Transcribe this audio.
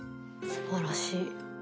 すばらしい。